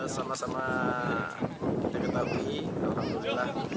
sama sama kita ketahui alhamdulillah